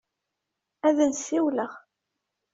Ad n-siwleɣ.